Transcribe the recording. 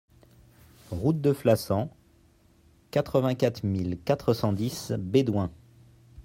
Route de Flassan, quatre-vingt-quatre mille quatre cent dix Bédoin